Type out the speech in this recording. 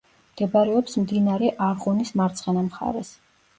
მდებარეობს მდინარე არღუნის მარცხენა მხარეს.